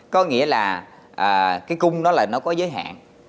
có nghĩa là cái cung đó là nó có giới hạn